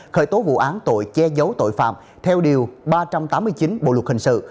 khởi tố vụ án tội che giấu tội phạm theo điều ba trăm tám mươi chín bộ luật hình sự